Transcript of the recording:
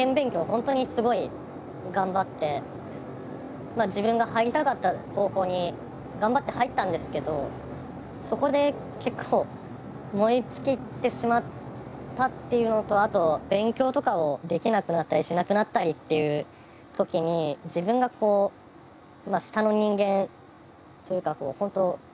本当にすごい頑張ってまあ自分が入りたかった高校に頑張って入ったんですけどそこで結構燃え尽きてしまったっていうのとあと勉強とかをできなくなったりしなくなったりっていう時に自分が下の人間というか本当